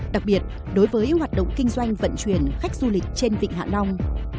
đặc biệt đối với hoạt động kinh doanh vận chuyển khách du lịch trên vịnh hạ long